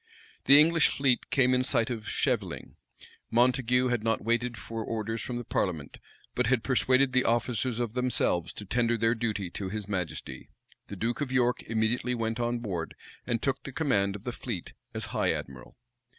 The English fleet came in sight of Scheveling. Montague had not waited for orders from the parliament; but had persuaded the officers of themselves to tender their duty to his majesty. The duke of York immediately went on board, and took the command of the fleet as high admiral.